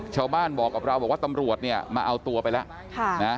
ชาวบ้านบอกกับเราบอกว่าตำรวจเนี่ยมาเอาตัวไปแล้วนะ